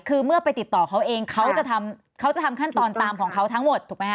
คือเมื่อไปติดต่อเขาเองเขาจะทำเขาจะทำขั้นตอนตามของเขาทั้งหมดถูกไหมฮ